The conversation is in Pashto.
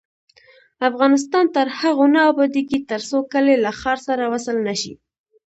افغانستان تر هغو نه ابادیږي، ترڅو کلي له ښار سره وصل نشي.